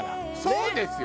そうですよ。